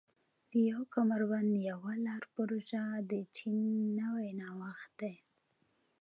د یو کمربند یوه لار پروژه د چین نوی نوښت دی.